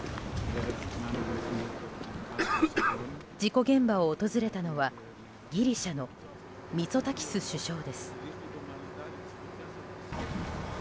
事故現場を訪れたのはギリシャのミツォタキス首相です。